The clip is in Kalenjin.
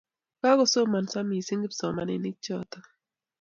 Kakosomanso missing' kipsomaninik chotok